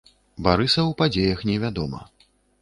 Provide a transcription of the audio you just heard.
Барыса ў падзеях не вядома.